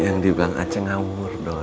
yang dibilang anjeng ngamur doi